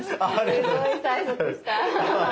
すごい催促した。